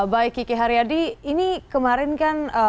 baik kiki haryadi ini kemarin kan